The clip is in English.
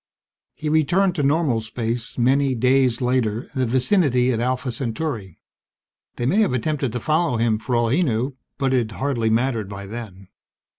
He returned to normal space many "days" later in the vicinity of Alpha Centauri. They may have attempted to follow him for all he knew, but it hardly mattered by then.